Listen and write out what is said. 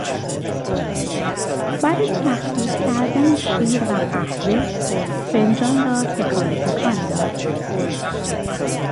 برای مخلوط کردن شیر و قهوه فنجان را تکان تکان داد.